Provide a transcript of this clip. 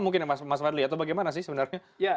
mungkin ya mas wadli atau bagaimana sih sebenarnya